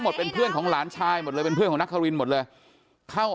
เป็นเพื่อนของหลานชายหมดเลยเป็นเพื่อนของนักครินหมดเลยเข้า